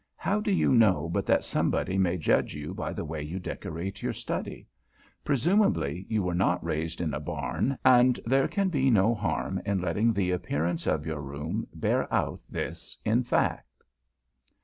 How do you know but that somebody may judge you by the way you decorate your study? Presumably, you were not raised in a barn, and there can be no harm in letting the appearance of your room bear out this as fact.